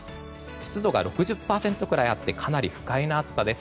湿度が６０％くらいあってかなり不快な暑さです。